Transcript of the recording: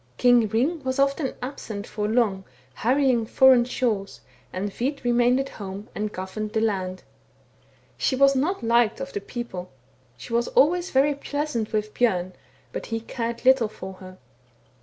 "King Hring was often absent for long, harrying foreign shores, and Hvit remained at home and governed the land. She was not liked of the people. She was always very pleasant with Bjorn, but he cared little for her.